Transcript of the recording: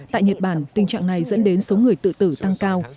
tại nhật bản tình trạng này dẫn đến số người tự tử tăng cao